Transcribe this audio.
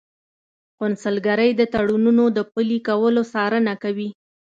قونسلګرۍ د تړونونو د پلي کولو څارنه کوي